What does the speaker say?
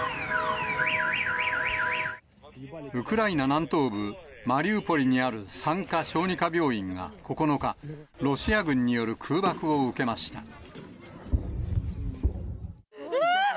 ウクライナ南東部マリウポリにある産科・小児科病院が９日、ロシア軍による空爆を受けました。